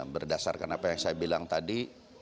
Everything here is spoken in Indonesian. berdasarkan apa yang saya bilang tadi